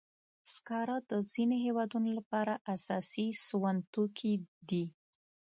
سکاره د ځینو هېوادونو لپاره اساسي سون توکي دي.